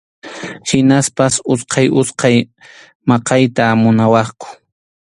Hinaspas utqay utqay maqayta munawaqku.